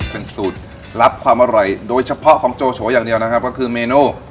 เป็นสูตรลับความอร่อยโดยเฉพาะของโจโฉอย่างเดียวนะครับก็คือเมนู